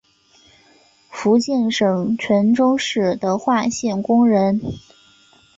福建省泉州市德化县工人。